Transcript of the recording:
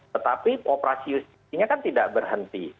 tetapi operasi justisinya kan tidak berhenti